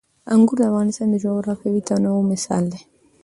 انګور د افغانستان د جغرافیوي تنوع مثال دی.